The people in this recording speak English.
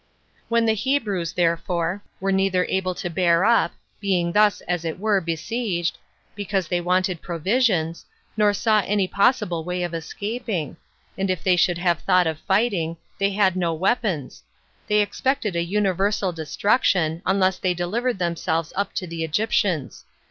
4. When the Hebrews, therefore, were neither able to bear up, being thus, as it were, besieged, because they wanted provisions, nor saw any possible way of escaping; and if they should have thought of fighting, they had no weapons; they expected a universal destruction, unless they delivered themselves up to the Egyptians.